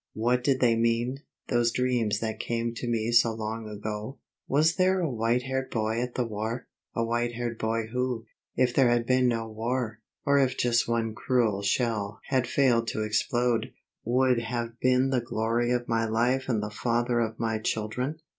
What did they mean, those dreams that came to me so long ago? Was there a white haired boy at the war, a white haired boy who, if there had been no war, or if just one cruel shell had failed to explode, would have been the glory of my life and the father of my children?